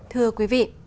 thưa quý vị